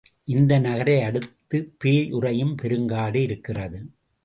இந்த நகரை அடுத்துப் பேய் உறையும் பெருங்காடு இருக்கிறது.